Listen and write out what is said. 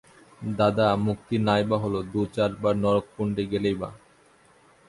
দাদা, মুক্তি নাই বা হল, দু-চার বার নরককুণ্ডে গেলেই বা।